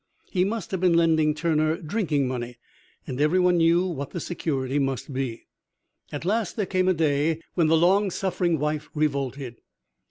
He must have been lending Turner drinking money, and everyone knew what the security must be. "At last there came a day when the long suffering wife revolted.